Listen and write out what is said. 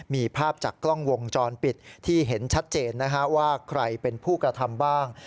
มีภาพจากกล้องวงจรปิดที่เห็นชัดเจนนะฮะว่าใครเป็นผู้กระทำบ้าง